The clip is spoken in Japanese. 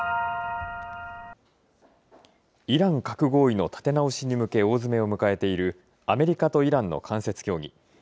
イラン核合意の立て直しに向け、大詰めを迎えているアメリカとイランの間接協議。